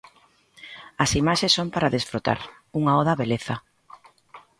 As imaxes son para desfrutar, unha oda á beleza.